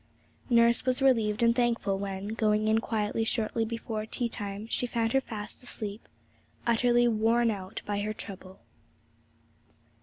Nurse was relieved and thankful when, going in quietly shortly before tea time, she found her fast asleep, utterly worn out by her trouble.